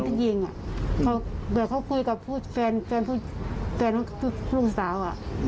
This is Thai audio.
ถ้าเธอคุยกับผู้คือบุคสาว